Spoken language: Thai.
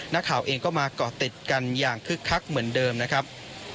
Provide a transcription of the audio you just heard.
นักข่าวเองก็มาเกาะติดกันอย่างคึกคักเหมือนเดิมนะครับ